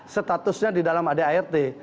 statusnya di dalam adart